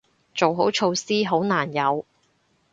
做好措施，好難有